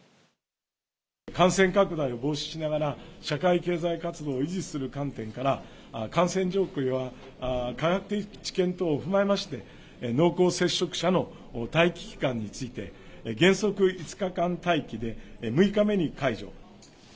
感染拡大を防止しながら、社会経済活動を維持する観点から、感染状況や科学的知見等を踏まえまして、濃厚接触者の待期期間について、原則５日間待機で６日目に解除。